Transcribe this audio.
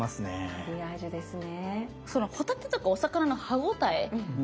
マリアージュですね。